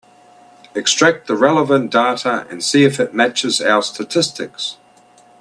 Extract the relevant data and see if it matches our statistics.